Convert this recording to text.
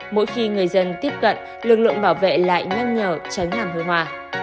mỗi khi người dân tiếp cận lực lượng bảo vệ lại nhăn nhở tránh làm hơi hoa